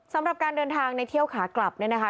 สำหรับการเดินทางในเที่ยวขากลับเนี่ยนะคะ